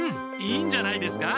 いいんじゃないですか。